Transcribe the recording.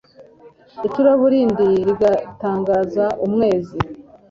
icuraburindi rigatangaza umwezi